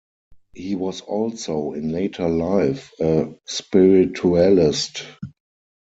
He was also in later life a spiritualist.